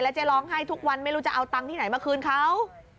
เจ๊ร้องไห้ทุกวันไม่รู้จะเอาตังค์ที่ไหนมาคืนเขา